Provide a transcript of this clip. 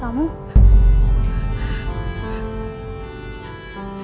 kamu bangun mulut dengan kamu tiaga